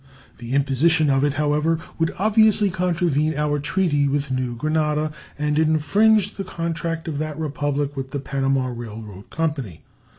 The imposition of it, however, would obviously contravene our treaty with New Granada and infringe the contract of that Republic with the Panama Railroad Company.